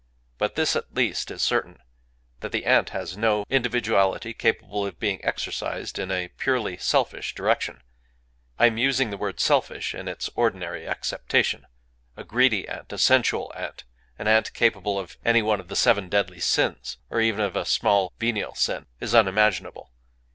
But this at least is certain: that the ant has no individuality capable of being exercised in a purely selfish direction;—I am using the word "selfish" in its ordinary acceptation. A greedy ant, a sensual ant, an ant capable of any one of the seven deadly sins, or even of a small venial sin, is unimaginable.